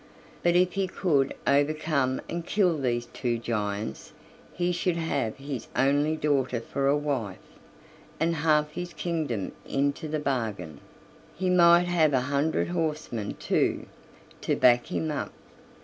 But if he could overcome and kill these two giants he should have his only daughter for a wife, and half his kingdom into the bargain; he might have a hundred horsemen, too, to back him up."